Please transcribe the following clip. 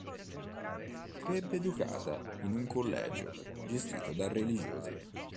Crebbe educata in un collegio gestito da religiose.